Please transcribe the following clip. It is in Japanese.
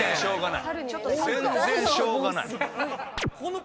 全然しょうがない。